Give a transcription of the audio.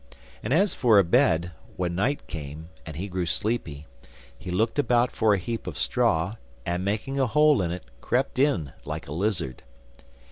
And as for a bed, when night came, and he grew sleepy, he looked about for a heap of straw, and making a hole in it, crept in, like a lizard.